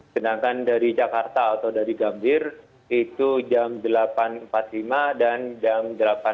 sedangkan dari jakarta atau dari gambir itu jam delapan empat puluh lima dan jam delapan belas